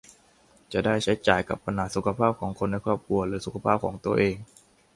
จะได้ใช้จ่ายกับปัญหาสุขภาพของคนในครอบครัวหรือสุขภาพของตัวเอง